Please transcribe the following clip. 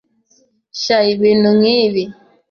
ch ibintu nkibi